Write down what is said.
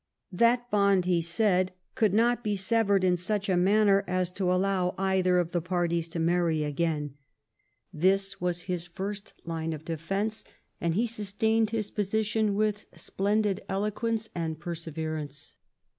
That bond, he said, could not be severed in such a manner as to allow either of the parties to marry again. This was his first line of defence, and he sustained his position with splendid eloquence and perseverance.